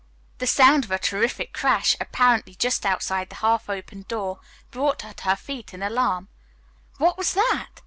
The sound of a terrific crash, apparently just outside the half opened door, brought her to her feet in alarm. "What was that?"